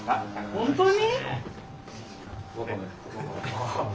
本当に？